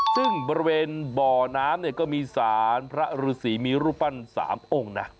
ซึ่งบริเวณบ่อน้ำเนี่ยก็มีสารพระฤษีมีรูปปั้น๓องค์นะ